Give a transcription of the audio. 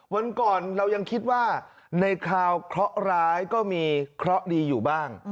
วันก่อนเรายังคิดว่าในคราวเคราะห์ร้ายก็มีเคราะห์ดีอยู่บ้าง